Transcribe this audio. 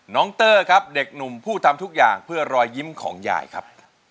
เตอร์ครับเด็กหนุ่มผู้ทำทุกอย่างเพื่อรอยยิ้มของยายครับ